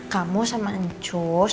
kamu sama encus